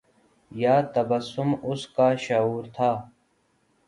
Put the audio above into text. یا تبسم اُسکا شعور تھا